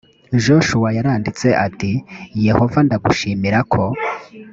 joshua yaranditse ati yehova ndagushimira ko